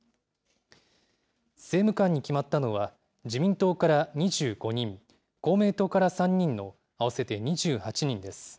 政務官に決まったのは、自民党から２５人、公明党から３人の、合わせて２８人です。